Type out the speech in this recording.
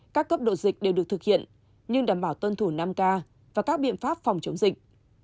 các cấp độ dịch đều được thực hiện nhưng đảm bảo tuân thủ năm k và các biện pháp phòng chống dịch